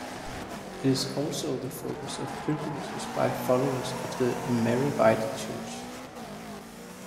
It is also the focus of pilgrimages by followers of the Mariavite Church.